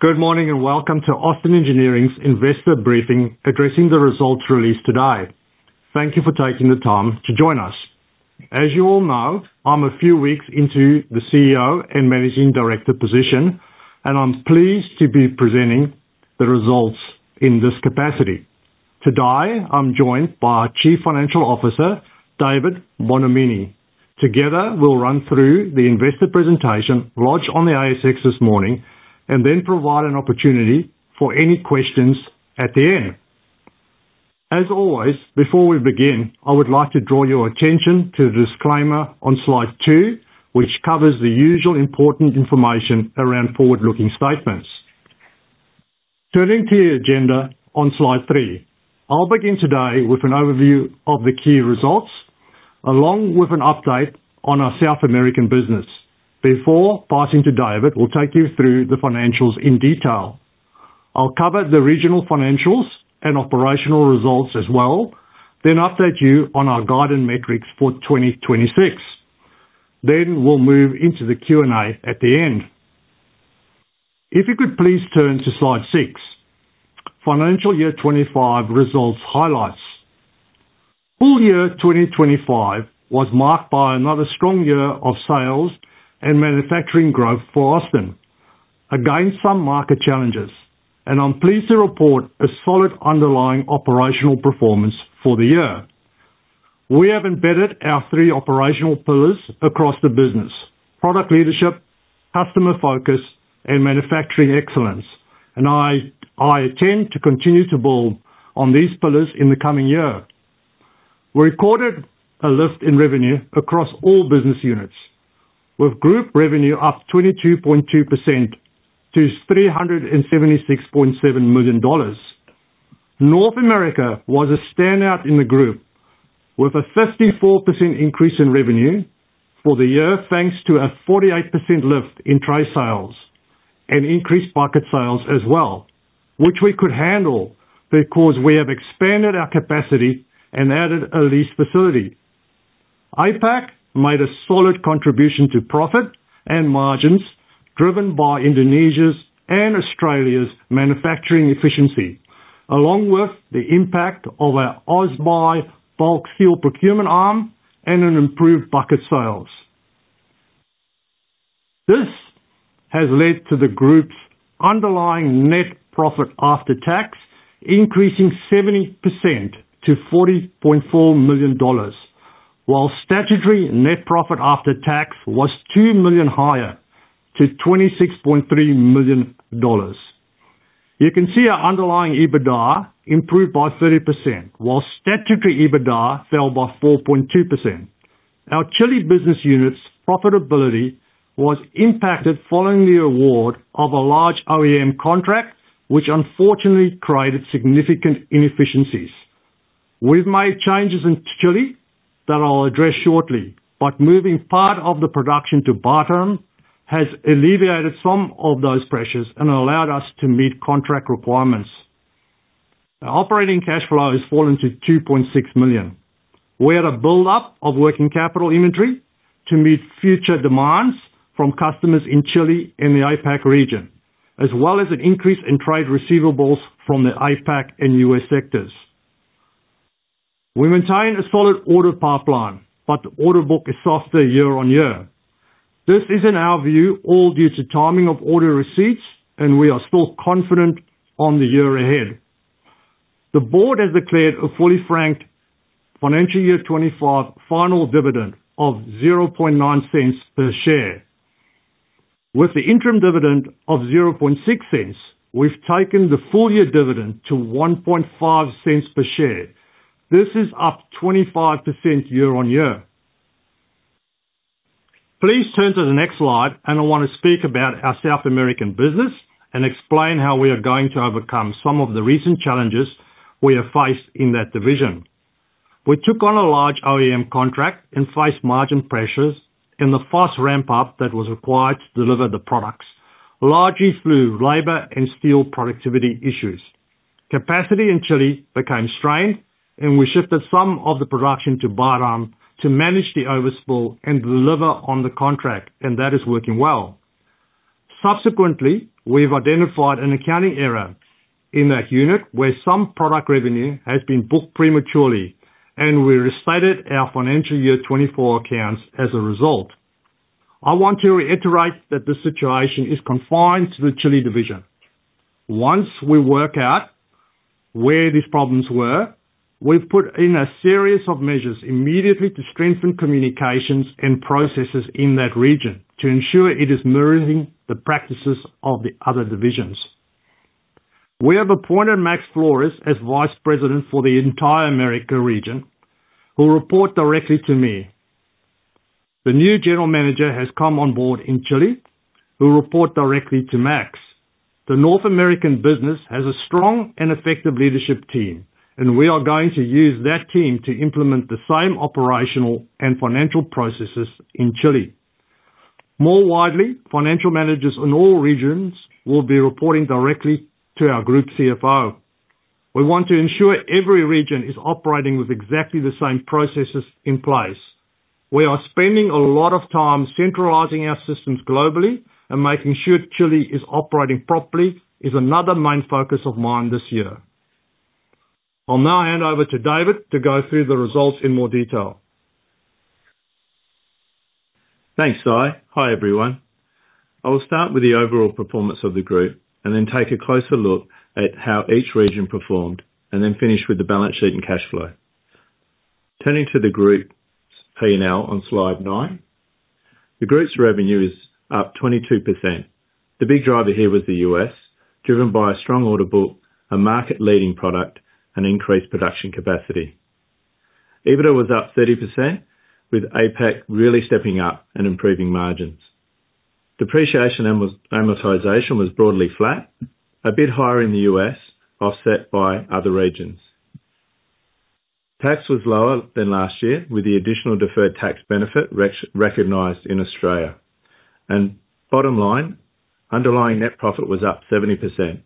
Good morning and welcome to Austin Engineering's Investor Briefing addressing the results released today. Thank you for taking the time to join us. As you all know, I'm a few weeks into the CEO and Managing Director position, and I'm pleased to be presenting the results in this capacity. Today, I'm joined by our Chief Financial Officer, David Bonomini. Together, we'll run through the Investor Presentation launched on the ASX this morning and then provide an opportunity for any questions at the end. As always, before we begin, I would like to draw your attention to the disclaimer on slide two, which covers the usual important information around forward-looking statements. Turning to your agenda on slide three, I'll begin today with an overview of the key results, along with an update on our South American business. Before passing to David, we'll take you through the financials in detail. I'll cover the regional financials and operational results as well, then update you on our guiding metrics for 2026. We'll move into the Q&A at the end. If you could please turn to slide six, financial year 2025 results highlights. Full year 2025 was marked by another strong year of sales and manufacturing growth for Austin, against some market challenges, and I'm pleased to report a solid underlying operational performance for the year. We have embedded our three operational pillars across the business: product leadership, customer focus, and manufacturing excellence, and I intend to continue to build on these pillars in the coming year. We recorded a lift in revenue across all business units, with group revenue up 22.2% to $376.7 million. North America was a standout in the group, with a 54% increase in revenue for the year, thanks to a 48% lift in trade sales and increased market sales as well, which we could handle because we have expanded our capacity and added a lease facility. APAC made a solid contribution to profit and margins, driven by Indonesia's and Australia's manufacturing efficiency, along with the impact of our AustBuy bulk seal procurement arm and an improved bucket sales. This has led to the group's underlying net profit after tax, increasing 70% to $40.4 million, while statutory net profit after tax was $2 million higher to $26.3 million. You can see our underlying EBITDA improved by 30%, while statutory EBITDA fell by 4.2%. Our Chile business unit's profitability was impacted following the award of a large OEM contract, which unfortunately created significant inefficiencies. We've made changes in Chile that I'll address shortly, but moving part of the production to Batam has alleviated some of those pressures and allowed us to meet contract requirements. Our operating cash flow has fallen to $2.6 million. We had a build-up of working capital inventory to meet future demands from customers in Chile and the APAC region, as well as an increase in trade receivables from the APAC and U.S. sectors. We maintain a solid order pipeline, but the order book is softer year-on-year. This is, in our view, all due to timing of order receipts, and we are still confident on the year ahead. The board has declared a fully franked final dividend for financial year 2025 of $0.009 per share. With the interim dividend of $0.006, we've taken the full year dividend to $0.015 per share. This is up 25% year-on-year. Please turn to the next slide, and I want to speak about our South American business and explain how we are going to overcome some of the recent challenges we have faced in that division. We took on a large OEM contract and faced margin pressures and the fast ramp-up that was required to deliver the products, largely through labor and steel productivity issues. Capacity in Chile became strained, and we shifted some of the production to Batam to manage the overspill and deliver on the contract, and that is working well. Subsequently, we've identified an accounting error in that unit where some product revenue has been booked prematurely, and we restated our financial year 2024 accounts as a result. I want to reiterate that this situation is confined to the Chile division. Once we work out where these problems were, we've put in a series of measures immediately to strengthen communications and processes in that region to ensure it is mirroring the practices of the other divisions. We have appointed Max Flores as Vice President for the entire America region, who will report directly to me. The new General Manager has come on board in Chile, who will report directly to Max. The North American business has a strong and effective leadership team, and we are going to use that team to implement the same operational and financial processes in Chile. More widely, financial managers in all regions will be reporting directly to our Group CFO. We want to ensure every region is operating with exactly the same processes in place. We are spending a lot of time centralizing our systems globally, and making sure Chile is operating properly is another main focus of mine this year. I'll now hand over to David to go through the results in more detail. Thanks, Sy. Hi everyone. I will start with the overall performance of the group and then take a closer look at how each region performed and then finish with the balance sheet and cash flow. Turning to the group's P&L on slide nine, the group's revenue is up 22%. The big driver here was the U.S., driven by a strong order book, a market-leading product, and increased production capacity. EBITDA was up 30%, with APAC really stepping up and improving margins. Depreciation and amortization were broadly flat, a bit higher in the U.S., offset by other regions. Tax was lower than last year, with the additional deferred tax benefit recognized in Australia. Bottom line, underlying net profit was up 70%.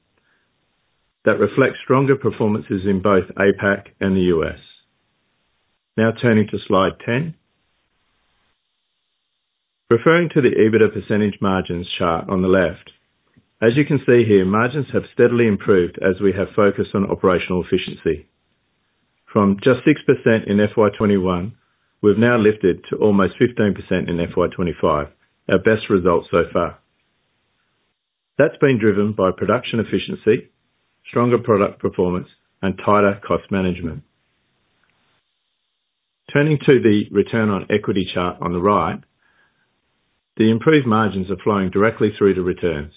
That reflects stronger performances in both APAC and the U.S. Now turning to slide 10, referring to the EBITDA percentage margins chart on the left. As you can see here, margins have steadily improved as we have focused on operational efficiency. From just 6% in FY 2021, we've now lifted to almost 15% in FY 2025, our best result so far. That has been driven by production efficiency, stronger product performance, and tighter cost management. Turning to the return on equity chart on the right, the improved margins are flowing directly through the returns.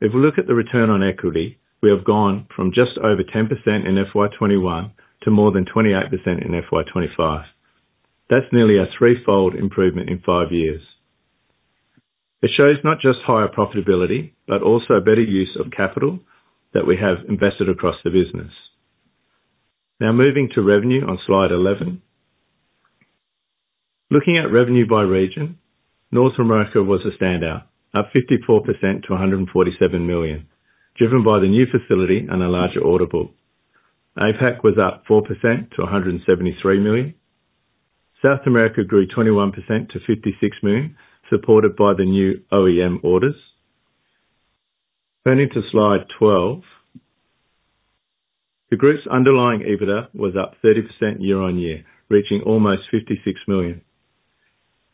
If we look at the return on equity, we have gone from just over 10% in FY 2021 to more than 28% in FY 2025. That is nearly a threefold improvement in five years. It shows not just higher profitability, but also better use of capital that we have invested across the business. Now moving to revenue on slide 11, looking at revenue by region, North America was a standout, up 54% to $147 million, driven by the new facility and a larger order book. APAC was up 4% to $173 million. South America grew 21% to $56 million, supported by the new OEM orders. Turning to slide 12, the group's underlying EBITDA was up 30% year-on-year, reaching almost $56 million.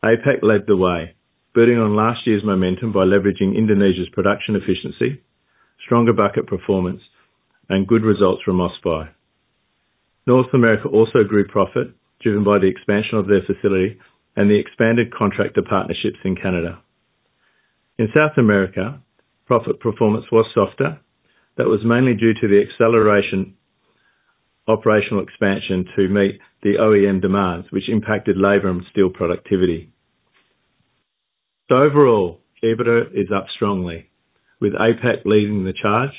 APAC led the way, building on last year's momentum by leveraging Indonesia's production efficiency, stronger bucket performance, and good results from AustBuy. North America also grew profit, driven by the expansion of their facility and the expanded contractor partnerships in Canada. In South America, profit performance was softer. That was mainly due to the acceleration of operational expansion to meet the OEM demands, which impacted labor and steel productivity. Overall, EBITDA is up strongly, with APAC leading the charge,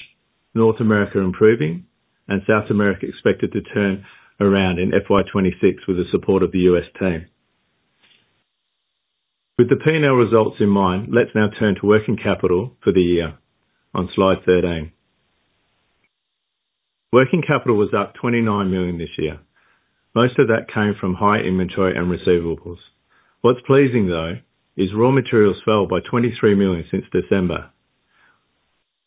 North America improving, and South America expected to turn around in FY 2026 with the support of the U.S. team. With the P&L results in mind, let's now turn to working capital for the year on slide 13. Working capital was up $29 million this year. Most of that came from high inventory and receivables. What's pleasing, though, is raw materials fell by $23 million since December.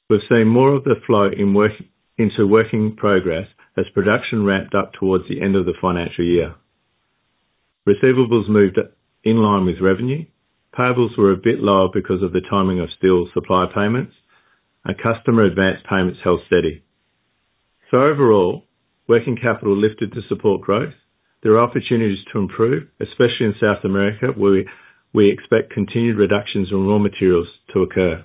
We've seen more of the flow into work in progress as production ramped up towards the end of the financial year. Receivables moved in line with revenue. Payables were a bit lower because of the timing of steel supply payments, and customer advance payments held steady. Overall, working capital lifted to support growth. There are opportunities to improve, especially in South America, where we expect continued reductions in raw materials to occur.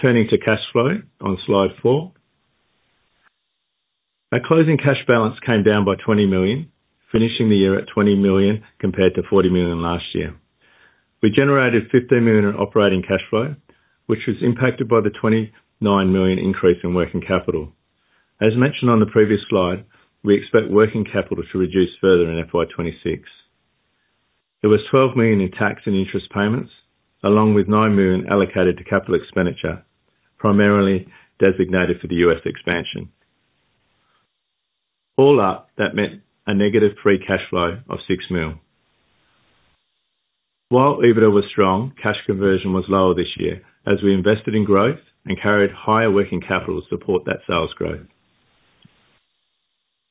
Turning to cash flow on slide four, our closing cash balance came down by $20 million, finishing the year at $20 million compared to $40 million last year. We generated $15 million in operating cash flow, which was impacted by the $29 million increase in working capital. As mentioned on the previous slide, we expect working capital to reduce further in FY 2026. There was $12 million in tax and interest payments, along with $9 million allocated to capital expenditure, primarily designated for the U.S. expansion. All up, that meant a negative free cash flow of $6 million. While EBITDA was strong, cash conversion was lower this year as we invested in growth and carried higher working capital to support that sales growth.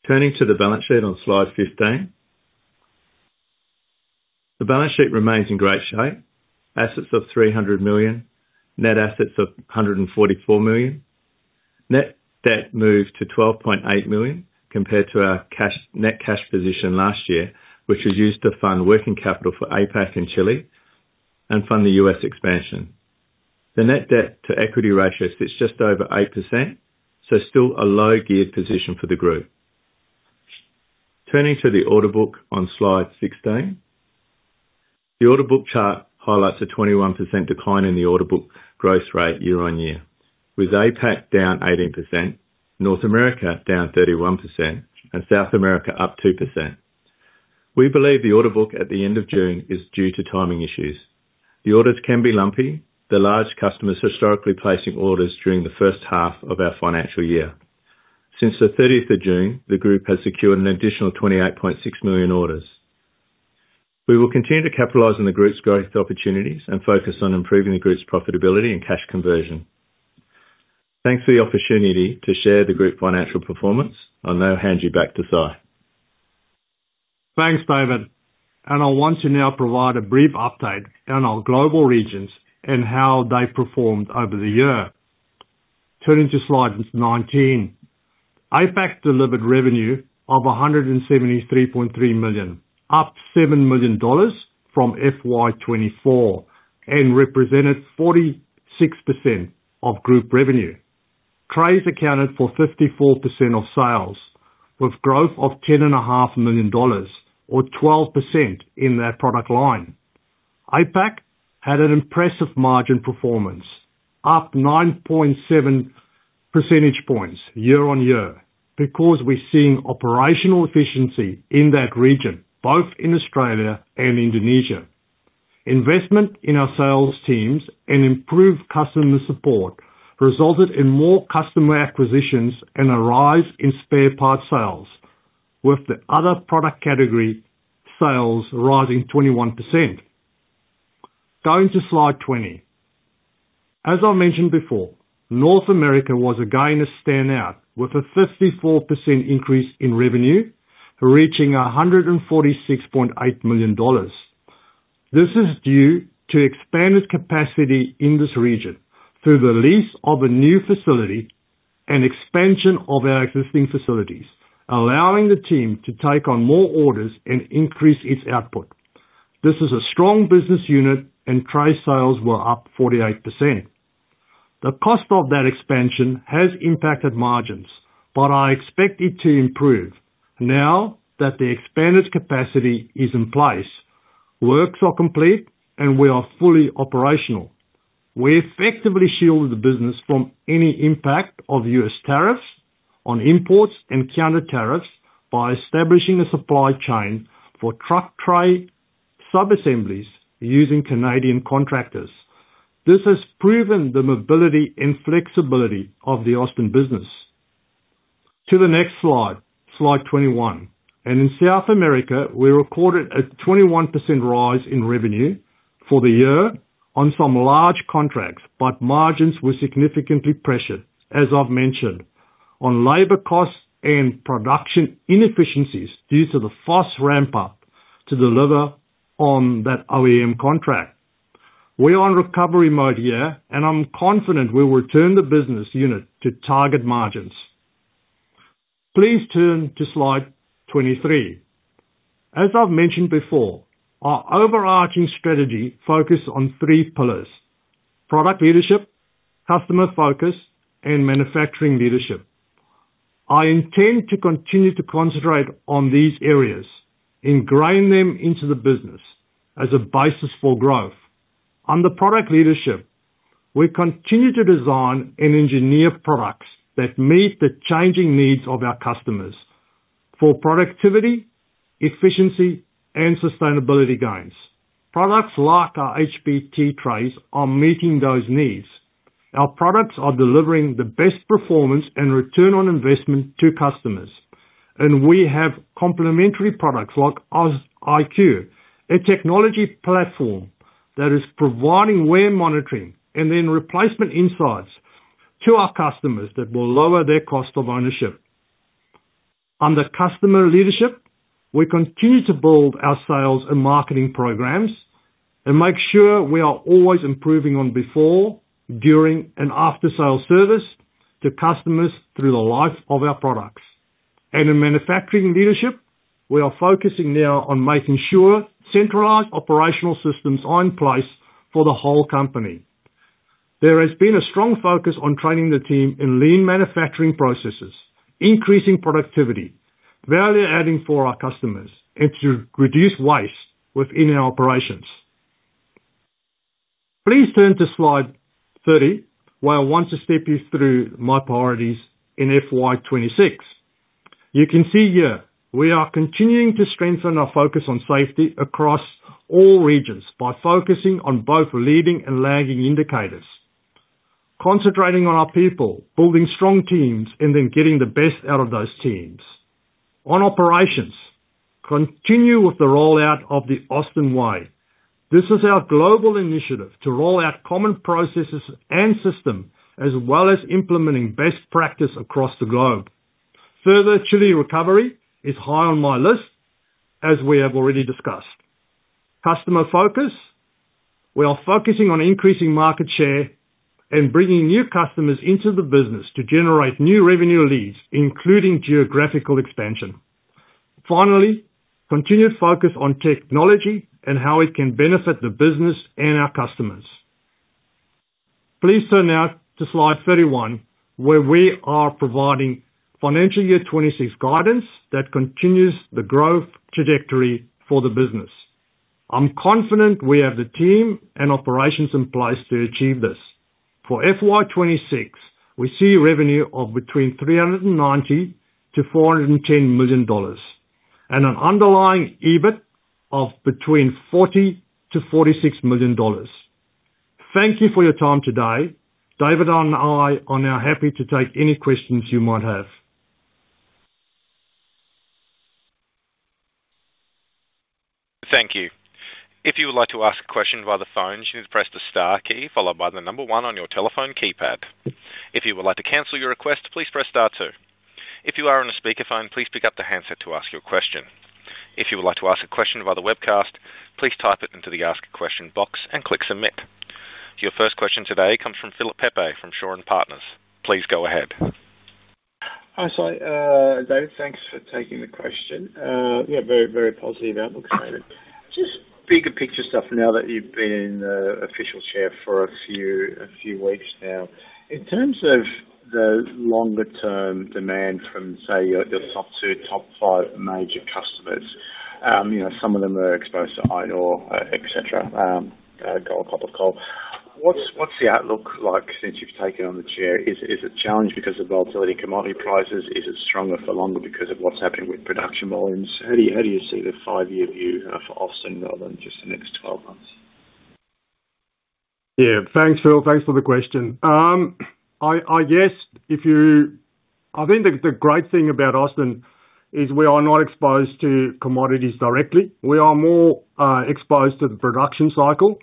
Turning to the balance sheet on slide 15, the balance sheet remains in great shape. Assets of $300 million, net assets of $144 million, net debt moved to $12.8 million compared to our net cash position last year, which was used to fund working capital for APAC in Chile and fund the U.S. expansion. The net debt to equity ratio sits just over 8%, so still a low-geared position for the group. Turning to the order book on slide 16, the order book chart highlights a 21% decline in the order book growth rate year-on-year, with APAC down 18%, North America down 31%, and South America up 2%. We believe the order book at the end of June is due to timing issues. The orders can be lumpy, with large customers historically placing orders during the first half of our financial year. Since the 30th of June, the group has secured an additional $28.6 million orders. We will continue to capitalize on the group's growth opportunities and focus on improving the group's profitability and cash conversion. Thanks for the opportunity to share the group's financial performance. I'll now hand you back to Sy. Thanks, David. I want to now provide a brief update on our global regions and how they performed over the year. Turning to slide 19, APAC delivered revenue of $173.3 million, up $7 million from FY 2024 and represented 46% of group revenue. [CRAYS] accounted for 54% of sales, with growth of $10.5 million, or 12% in that product line. APAC had an impressive margin performance, up 9.7 percentage points year-on-year because we're seeing operational efficiency in that region, both in Australia and Indonesia. Investment in our sales teams and improved customer support resulted in more customer acquisitions and a rise in spare parts sales, with the other product category sales rising 21%. Going to slide 20, as I mentioned before, North America was again a standout with a 54% increase in revenue, reaching $146.8 million. This is due to expanded capacity in this region through the lease of a new facility and expansion of our existing facilities, allowing the team to take on more orders and increase its output. This is a strong business unit, and [CRAYS] sales were up 48%. The cost of that expansion has impacted margins, but I expect it to improve now that the expanded capacity is in place, works are complete, and we are fully operational. We effectively shielded the business from any impact of U.S. tariffs on imports and counter tariffs by establishing a supply chain for truck trade subassemblies using Canadian contractors. This has proven the mobility and flexibility of the Austin business. To the next slide, slide 21, and in South America, we recorded a 21% rise in revenue for the year on some large contracts, but margins were significantly pressured, as I've mentioned, on labor costs and production inefficiencies due to the fast ramp-up to deliver on that OEM contract. We are in recovery mode here, and I'm confident we'll return the business unit to target margins. Please turn to slide 23. As I've mentioned before, our overarching strategy focuses on three pillars: product leadership, customer focus, and manufacturing leadership. I intend to continue to concentrate on these areas, ingraining them into the business as a basis for growth. Under product leadership, we continue to design and engineer products that meet the changing needs of our customers for productivity, efficiency, and sustainability gains. Products like our HPT trays are meeting those needs. Our products are delivering the best performance and return on investment to customers, and we have complementary products like our IQ, a technology platform that is providing wear monitoring and then replacement insights to our customers that will lower their cost of ownership. Under customer leadership, we continue to build our sales and marketing programs and make sure we are always improving on before, during, and after-sales service to customers through the life of our products. In manufacturing leadership, we are focusing now on making sure centralizing systems are in place for the whole company. There has been a strong focus on training the team in lean manufacturing processes, increasing productivity, value-adding for our customers, and to reduce waste within our operations. Please turn to slide 30, where I want to step you through my priorities in FY 2026. You can see here we are continuing to strengthen our focus on safety across all regions by focusing on both leading and lagging indicators, concentrating on our people, building strong teams, and then getting the best out of those teams. On operations, continue with the rollout of the Austin Way. This is our global initiative to roll out common processes and systems, as well as implementing best practices across the globe. Further, Chile recovery is high on my list, as we have already discussed. Customer focus, we are focusing on increasing market share and bringing new customers into the business to generate new revenue leads, including geographical expansion. Finally, continue to focus on technology and how it can benefit the business and our customers. Please turn now to slide 31, where we are providing financial year 2026 guidance that continues the growth trajectory for the business. I'm confident we have the team and operations in place to achieve this. For FY 2026, we see revenue of between $390 million -$410 million and an underlying EBIT of between $40 million-$46 million. Thank you for your time today. David and I are now happy to take any questions you might have. Thank you. If you would like to ask a question via the phone, you need to press the star key followed by the number one on your telephone keypad. If you would like to cancel your request, please press star two. If you are on a speakerphone, please pick up the handset to ask your question. If you would like to ask a question via the webcast, please type it into the Ask Question box and click Submit. Your first question today comes from Philip Pepe from Shawn and Partners. Please go ahead. Hi, David. Thanks for taking the question. Very, very positive outlook. Just bigger picture stuff now that you've been in the official chair for a few weeks now. In terms of the longer-term demand from, say, your top two, top five major customers, you know, some of them are exposed to iron ore, etc., gold, copper, coal. What's the outlook like since you've taken on the chair? Is it challenging because of volatility in commodity prices? Is it stronger for longer because of what's happening with production volumes? How do you see the five-year view for Austin rather than just the next 12 months? Yeah, thanks, Phil. Thanks for the question. I guess if you, I think the great thing about Austin Engineering Limited is we are not exposed to commodities directly. We are more exposed to the production cycle.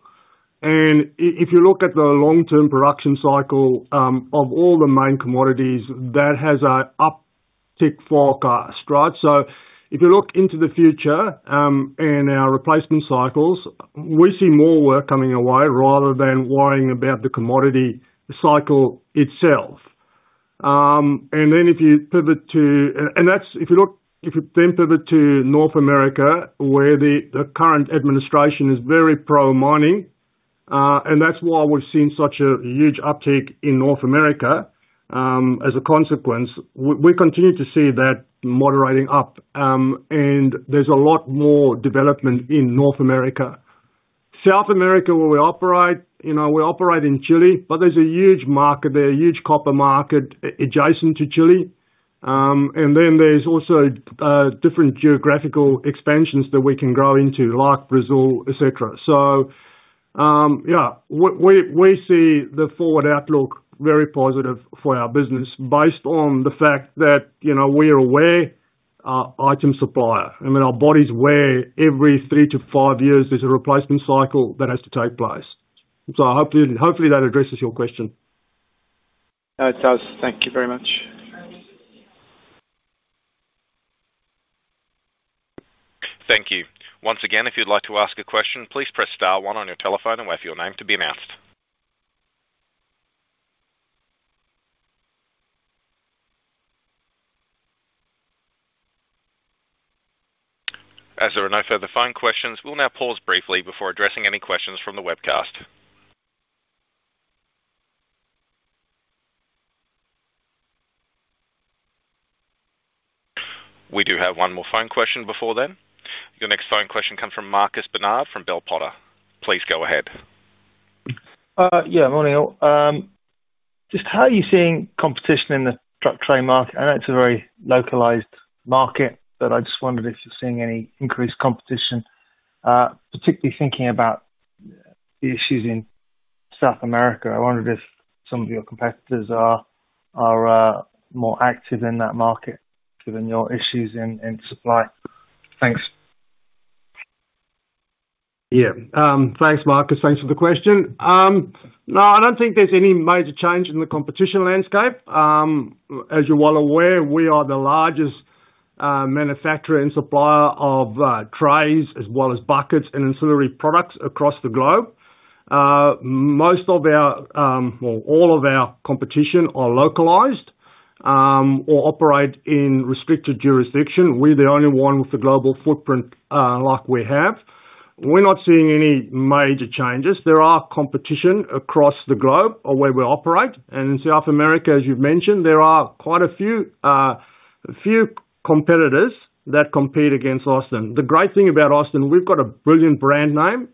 If you look at the long-term production cycle of all the main commodities, that has an uptick forecast, right? If you look into the future and our replacement cycles, we see more work coming our way rather than worrying about the commodity cycle itself. If you then pivot to North America, where the current administration is very pro-mining, that's why we've seen such a huge uptick in North America. As a consequence, we continue to see that moderating up, and there's a lot more development in North America. South America, where we operate, you know, we operate in Chile, but there's a huge market there, a huge copper market adjacent to Chile. There's also different geographical expansions that we can grow into, like Brazil, etc. We see the forward outlook very positive for our business based on the fact that, you know, we are a wear item supplier. I mean, our bodies wear every three to five years. There's a replacement cycle that has to take place. Hopefully, that addresses your question. Thank you very much. Thank you. Once again, if you'd like to ask a question, please press star one on your telephone and wait for your name to be announced. As there are no further phone questions, we'll now pause briefly before addressing any questions from the webcast. We do have one more phone question before then. Your next phone question comes from Marcus Bernard from Bell Potter. Please go ahead. Yeah, morning. Just how are you seeing competition in the truck train market? I know it's a very localized market, but I just wondered if you're seeing any increased competition, particularly thinking about the issues in South America. I wondered if some of your competitors are more active in that market given your issues in supply. Thanks. Yeah, thanks, Marcus. Thanks for the question. No, I don't think there's any major change in the competition landscape. As you're well aware, we are the largest manufacturer and supplier of trays as well as buckets and ancillary products across the globe. Most of our, well, all of our competition are localized or operate in restricted jurisdiction. We're the only one with a global footprint like we have. We're not seeing any major changes. There are competitions across the globe where we operate. In South America, as you've mentioned, there are quite a few competitors that compete against Austin. The great thing about Austin, we've got a brilliant brand name,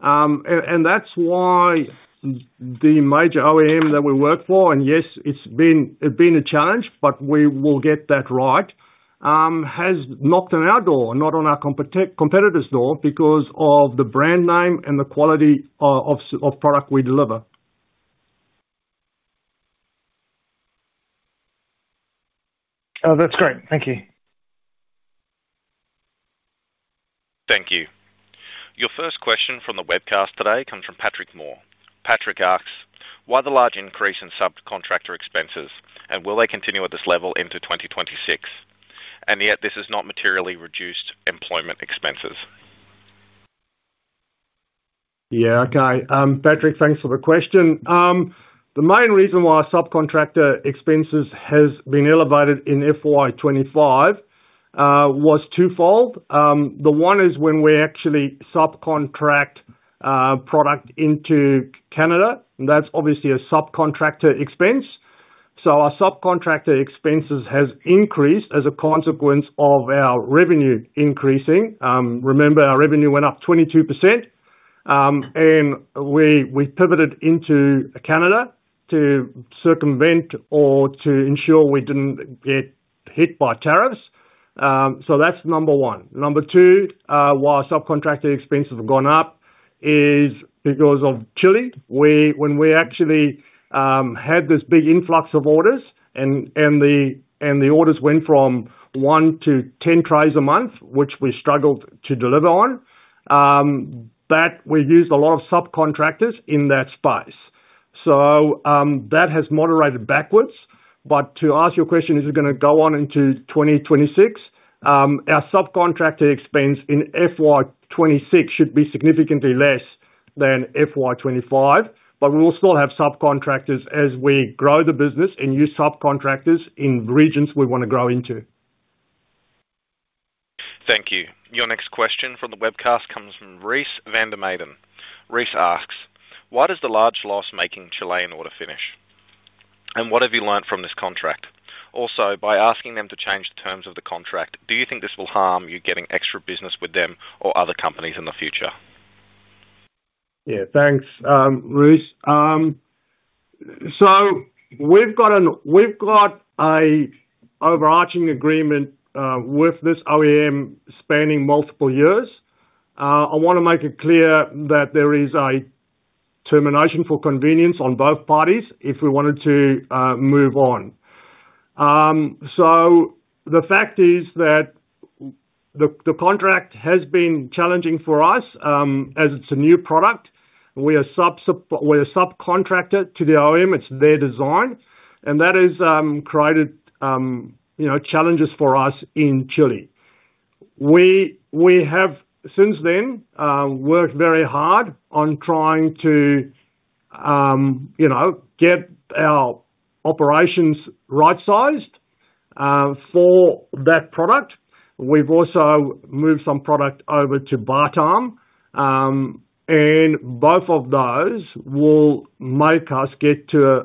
and that's why the major OEM that we work for, and yes, it's been a challenge, but we will get that right, has knocked on our door, not on our competitors' door, because of the brand name and the quality of product we deliver. Oh, that's great. Thank you. Thank you. Your first question from the webcast today comes from Patrick Moore. Patrick asks, why the large increase in subcontractor expenses, and will they continue at this level into 2026? Yet, this has not materially reduced employment expenses. Yeah, okay. Patrick, thanks for the question. The main reason why subcontractor expenses have been elevated in FY 2025 was twofold. The one is when we actually subcontract product into Canada. That's obviously a subcontractor expense. Our subcontractor expenses have increased as a consequence of our revenue increasing. Remember, our revenue went up 22%, and we pivoted into Canada to circumvent or to ensure we didn't get hit by tariffs. That's number one. Number two, why subcontractor expenses have gone up is because of Chile. When we actually had this big influx of orders and the orders went from one to ten trays a month, which we struggled to deliver on, we used a lot of subcontractors in that space. That has moderated backwards. To answer your question, is it going to go on into 2026? Our subcontractor expense in FY 2026 should be significantly less than FY 2025, but we will still have subcontractors as we grow the business and use subcontractors in regions we want to grow into. Thank you. Your next question from the webcast comes from Reece van der Meyden. Reece asks, why does the large loss make Chilean order finish? What have you learned from this contract? Also, by asking them to change the terms of the contract, do you think this will harm you getting extra business with them or other companies in the future? Yeah, thanks, Reece. We've got an overarching agreement with this OEM spanning multiple years. I want to make it clear that there is a termination for convenience on both parties if we wanted to move on. The fact is that the contract has been challenging for us as it's a new product. We are a subcontractor to the OEM. It's their design, and that has created challenges for us in Chile. We have since then worked very hard on trying to get our operations right-sized for that product. We've also moved some product over to Batam, and both of those will make us get to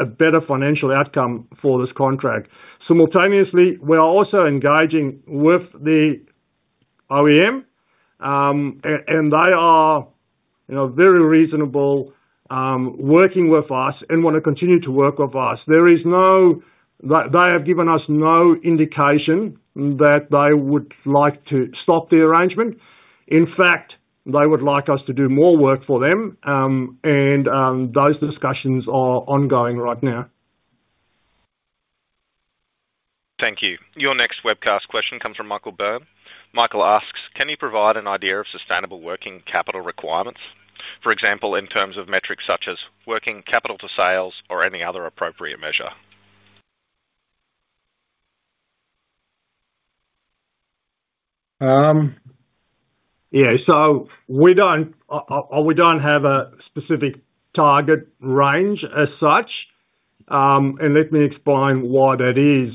a better financial outcome for this contract. Simultaneously, we are also engaging with the OEM, and they are very reasonable working with us and want to continue to work with us. They have given us no indication that they would like to stop the arrangement. In fact, they would like us to do more work for them, and those discussions are ongoing right now. Thank you. Your next webcast question comes from Michael Babb. Michael asks, can you provide an idea of sustainable working capital requirements? For example, in terms of metrics such as working capital to sales or any other appropriate measure? Yeah, so we don't have a specific target range as such, and let me explain why that is.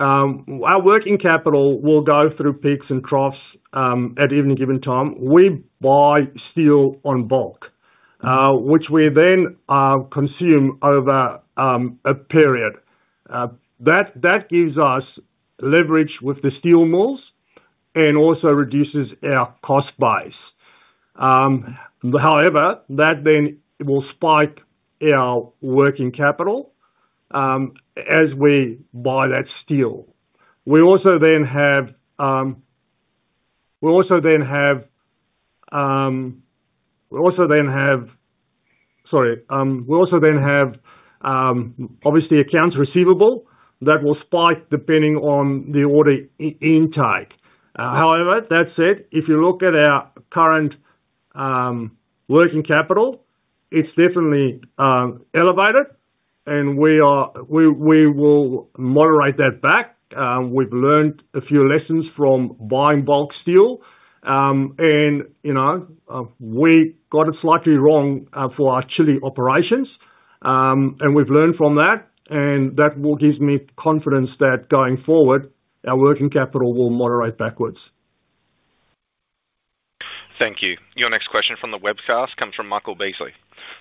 Our working capital will go through peaks and troughs at any given time. We buy steel in bulk, which we then consume over a period. That gives us leverage with the steel mills and also reduces our cost base. However, that will spike our working capital as we buy that steel. We also have, obviously, accounts receivable that will spike depending on the order intake. However, that said, if you look at our current working capital, it's definitely elevated, and we will moderate that back. We've learned a few lessons from buying bulk steel, and we got it slightly wrong for our Chile operations, and we've learned from that, and that gives me confidence that going forward, our working capital will moderate backwards. Thank you. Your next question from the webcast comes from Michael Beasley.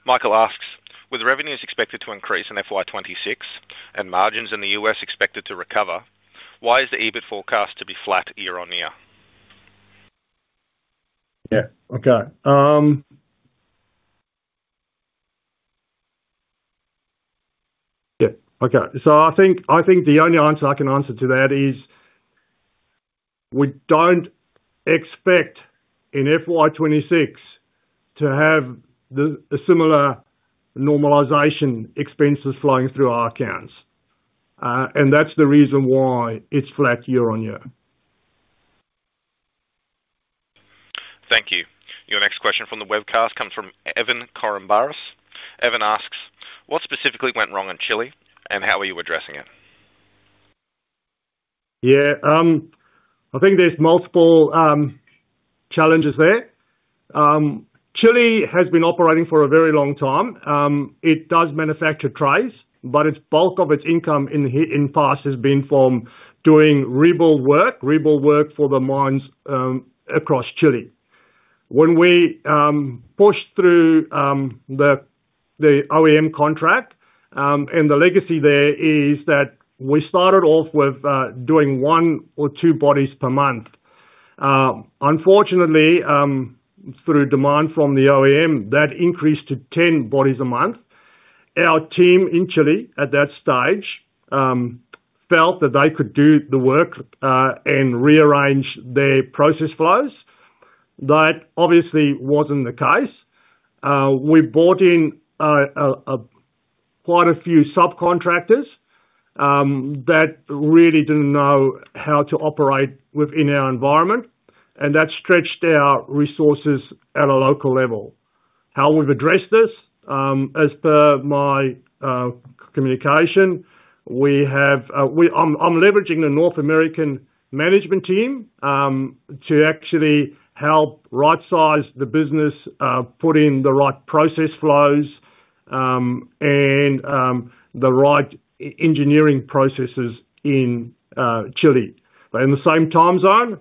Michael asks, with revenues expected to increase in FY 2026 and margins in the U.S. expected to recover, why is the EBIT forecast to be flat year-on-year? I think the only answer I can answer to that is we don't expect in FY 2026 to have a similar normalization expenses flowing through our accounts, and that's the reason why it's flat year-on-year. Thank you. Your next question from the webcast comes from Evan Karambelas. Evan asks, what specifically went wrong in Chile, and how are you addressing it? Yeah, I think there's multiple challenges there. Chile has been operating for a very long time. It does manufacture trays, but the bulk of its income in the past has been from doing rebar work, rebar work for the mines across Chile. When we pushed through the OEM contract, and the legacy there is that we started off with doing one or two bodies per month. Unfortunately, through demand from the OEM, that increased to 10 bodies a month. Our team in Chile at that stage felt that they could do the work and rearrange their process flows. That obviously wasn't the case. We brought in quite a few subcontractors that really didn't know how to operate within our environment, and that stretched our resources at a local level. How we've addressed this, as per my communication, I'm leveraging the North American management team to actually help right-size the business, put in the right process flows, and the right engineering processes in Chile. They're in the same time zone,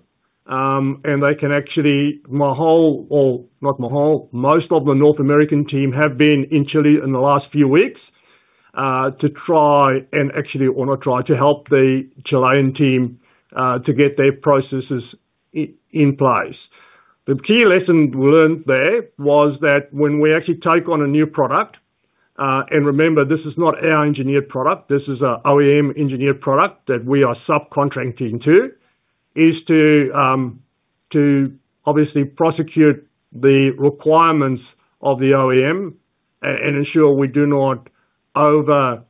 and they can actually, my whole, well, not my whole, most of the North American team have been in Chile in the last few weeks to try and actually, or not try, to help the Chilean team to get their processes in place. The key lesson learned there was that when we actually take on a new product, and remember, this is not our engineered product. This is an OEM engineered product that we are subcontracting to, is to obviously prosecute the requirements of the OEM and ensure we do not overpower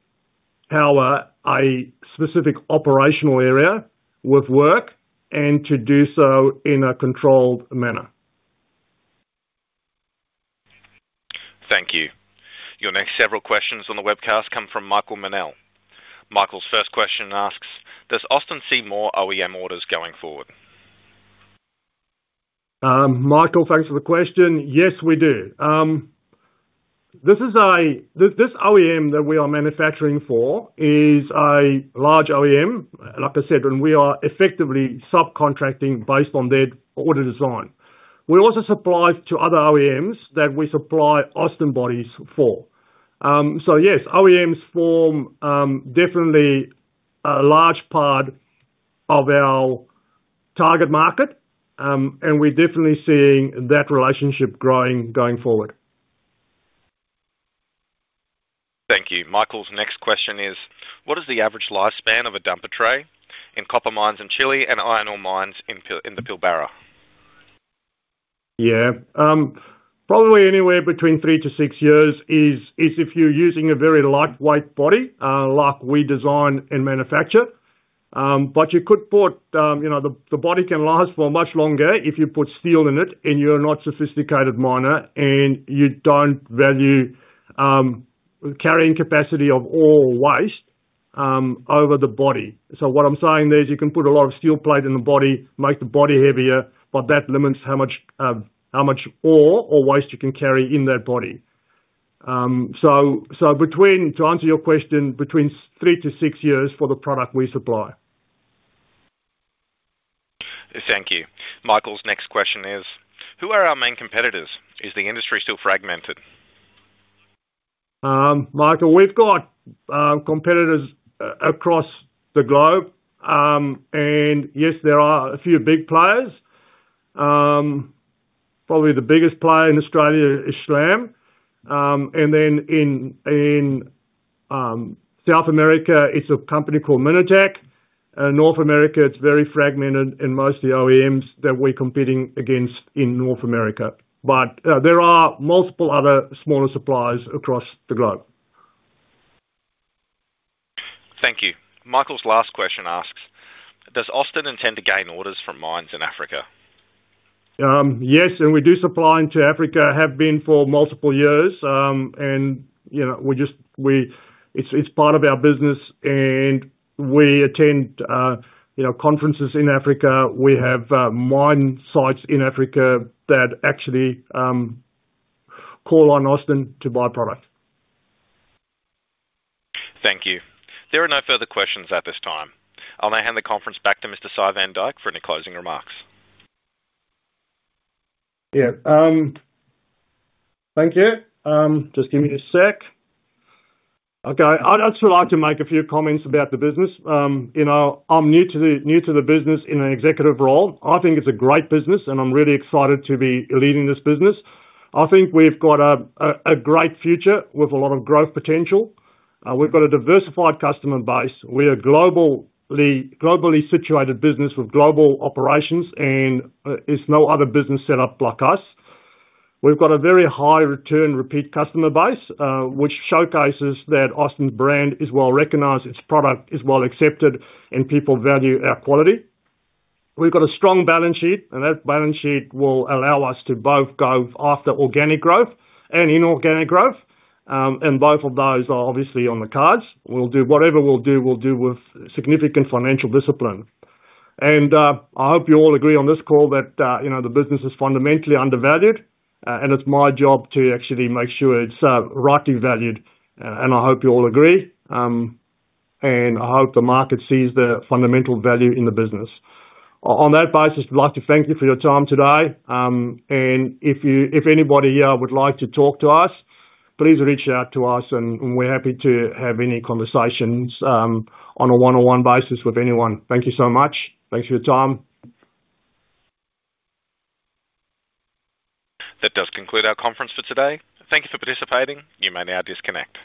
a specific operational area with work and to do so in a controlled manner. Thank you. Your next several questions on the webcast come from Michael Manel. Michael's first question asks, does Austin see more OEM orders going forward? Michael, thanks for the question. Yes, we do. This OEM that we are manufacturing for is a large OEM, like I said, and we are effectively subcontracting based on their order design. We also supply to other OEMs that we supply Austin bodies for. Yes, OEMs form definitely a large part of our target market, and we're definitely seeing that relationship growing going forward. Thank you. Michael's next question is, what is the average lifespan of a dumper tray in copper mines in Chile and iron ore mines in the Pilbara? Yeah, probably anywhere between three to six years is if you're using a very lightweight body like we design and manufacture. You could put, you know, the body can last for much longer if you put steel in it and you're not a sophisticated miner and you don't value the carrying capacity of ore or waste over the body. What I'm saying there is you can put a lot of steel plate in the body, make the body heavier, but that limits how much ore or waste you can carry in that body. To answer your question, between three to six years for the product we supply. Thank you. Michael's next question is, who are our main competitors? Is the industry still fragmented? Michael, we've got competitors across the globe, and yes, there are a few big players. Probably the biggest player in Australia is Austin Engineering Limited. In South America, it's a company called Minitec. In North America, it's very fragmented and most of the OEMs that we're competing against in North America. There are multiple other smaller suppliers across the globe. Thank you. Michael's last question asks, does Austin Engineering Limited intend to gain orders from mines in Africa? Yes, and we do supply into Africa, have been for multiple years, and it's part of our business, and we attend conferences in Africa. We have mine sites in Africa that actually call on Austin to buy product. Thank you. There are no further questions at this time. I'll now hand the conference back to Mr. Sy Van Dyk for any closing remarks. Thank you. Just give me a sec. Okay, I'd just like to make a few comments about the business. You know, I'm new to the business in an executive role. I think it's a great business, and I'm really excited to be leading this business. I think we've got a great future with a lot of growth potential. We've got a diversified customer base. We are a globally situated business with global operations, and there's no other business set up like us. We've got a very high return repeat customer base, which showcases that Austin's brand is well recognized, its product is well accepted, and people value our quality. We've got a strong balance sheet, and that balance sheet will allow us to both go after organic growth and inorganic growth, and both of those are obviously on the cards. Whatever we do, we'll do with significant financial discipline. I hope you all agree on this call that the business is fundamentally undervalued, and it's my job to actually make sure it's rightly valued. I hope you all agree, and I hope the market sees the fundamental value in the business. On that basis, I'd like to thank you for your time today, and if anybody here would like to talk to us, please reach out to us, and we're happy to have any conversations on a one-on-one basis with anyone. Thank you so much. Thanks for your time. That does conclude our conference for today. Thank you for participating. You may now disconnect.